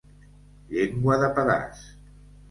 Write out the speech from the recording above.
Llengua de pedaç.